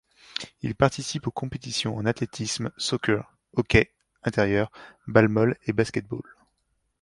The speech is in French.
Il participe aux compétitions en athlétisme, soccer, hockey intérieur, balle-molle et basket-ball.